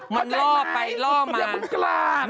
มันล้อไปล้อมา